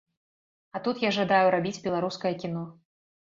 А тут я жадаю рабіць беларускае кіно.